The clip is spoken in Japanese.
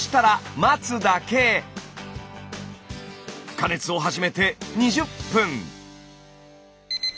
加熱を始めて２０分。